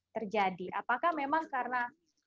terjadi apakah memang karena